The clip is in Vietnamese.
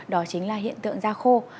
đó chính là hiện tượng da khô